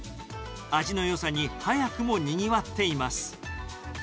味のよさに早くもにぎわっています。